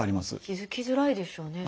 気付きづらいでしょうね